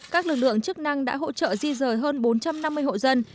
các lực lượng chức năng đã hỗ trợ di rời hơn bốn trăm năm mươi hộ dân